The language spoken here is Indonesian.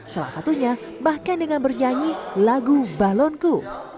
salah satunya bahkan dengan bernyanyi lagu balonku